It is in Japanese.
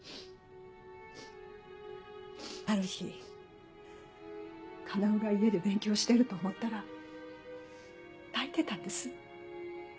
ある日叶が家で勉強してると思ったら泣いてたんです。